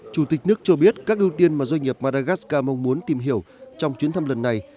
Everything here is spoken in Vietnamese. chủ tịch nước cho biết các ưu tiên mà doanh nghiệp maragascar mong muốn tìm hiểu trong chuyến thăm lần này